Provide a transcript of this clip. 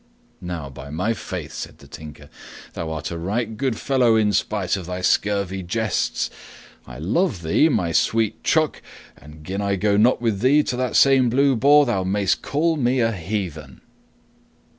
"Now by my faith," said the Tinker, "thou art a right good fellow in spite of thy scurvy jests. I love thee, my sweet chuck, and gin I go not with thee to that same Blue Boar thou mayst call me a heathen."